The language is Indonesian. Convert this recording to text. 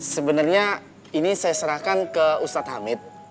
sebenarnya ini saya serahkan ke ustadz hamid